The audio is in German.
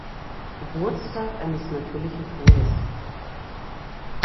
Geburtstag eines natürlichen Todes.